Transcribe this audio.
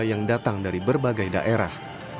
yang datang dari berbagai daerah